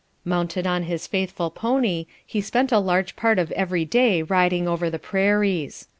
Mounted on his faithful pony, he spent a large part of every day riding over the prairies.